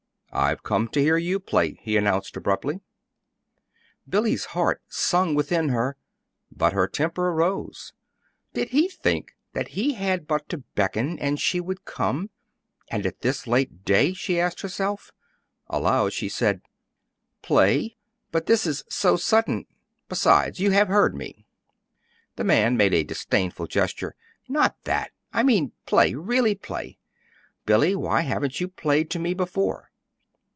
"I've come to hear you play," he announced abruptly. Billy's heart sung within her but her temper rose. Did he think then that he had but to beckon and she would come and at this late day, she asked herself. Aloud she said: "Play? But this is 'so sudden'! Besides, you have heard me." The man made a disdainful gesture. "Not that. I mean play really play. Billy, why haven't you played to me before?"